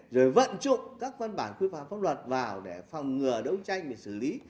rồi vận dụng các văn bản quy phạm pháp luật vào để phòng ngừa đấu tranh để xử lý